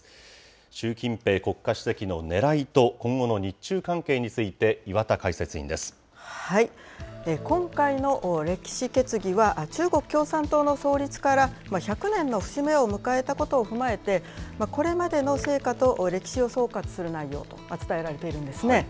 習近平国家主席のねらいと今後の日中関係について、今回の歴史決議は、中国共産党の創立から１００年の節目を迎えたことを踏まえて、これまでの成果と歴史を総括する内容と伝えられているんですね。